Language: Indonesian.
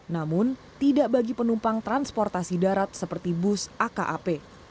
namun tidak bagi penumpang transportasi darat seperti bus akap